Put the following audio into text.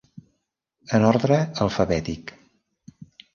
En ordre alfabètic.